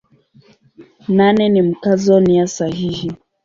Nane ni Mkazo nia sahihi.